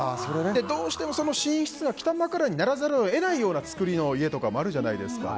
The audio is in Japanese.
どうしても寝室が北枕にならざるを得ないようなつくりの家とかもあるじゃないですか。